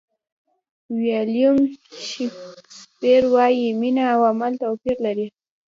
ویلیام شکسپیر وایي مینه او عمل توپیر لري.